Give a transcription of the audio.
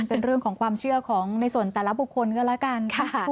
เป็นเรื่องของความเชื่อของในส่วนแต่ละบุคคลก็แล้วกัน